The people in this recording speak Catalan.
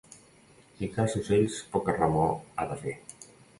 Qui caça ocells poca remor ha de fer.